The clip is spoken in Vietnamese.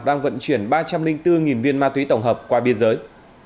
đang vận chuyển ba trăm linh bốn viên ma túy tổng hợp qua biên giới